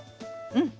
うん。